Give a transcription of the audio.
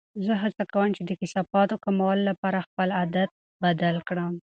زه هڅه کوم چې د کثافاتو کمولو لپاره خپل عادت بدل کړم.